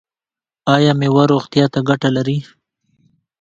ایا میوه روغتیا ته ګټه لري؟